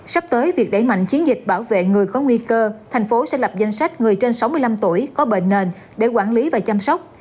sắp tới việc đẩy mạnh chiến dịch bảo vệ người có nguy cơ thành phố sẽ lập danh sách người trên sáu mươi năm tuổi có bệnh nền để quản lý và chăm sóc